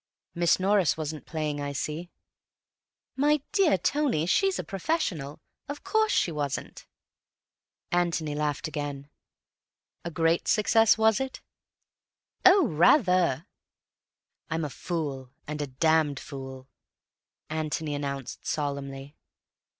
"Miss Norris wasn't playing, I see." "My dear Tony, she's a professional. Of course she wasn't." Antony laughed again. "A great success, was it?" "Oh, rather!" "I'm a fool, and a damned fool," Antony announced solemnly.